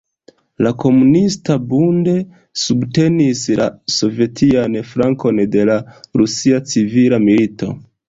La Komunista Bund subtenis la sovetian flankon de la Rusia Civila Milito.